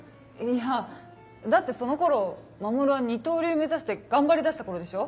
いやだってその頃守は二刀流目指して頑張りだした頃でしょ？